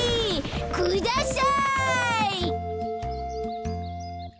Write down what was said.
ください！